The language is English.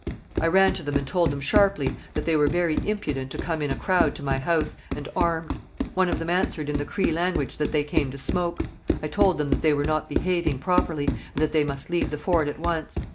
I ran to them and told them sharply that they were very impudent to come in a crowd to my house, and armed. One of them answered in the Cree language that they came to smoke. I told them that they were not behaving properly, and that they must leave the fort at once.